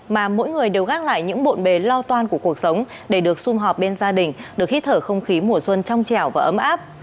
mà mỗi người đều gác lại những bộn bề lo toan của cuộc sống để được xung họp bên gia đình được hít thở không khí mùa xuân trong chẻo và ấm áp